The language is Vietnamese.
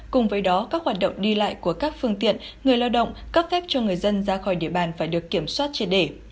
cùng với đó các hoạt động đi lại của các phương tiện người lao động cấp phép cho người dân ra khỏi địa bàn phải được kiểm soát triệt để